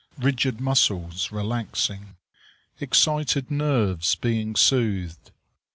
Rigid muscles relaxing. Excited nerves being soothed.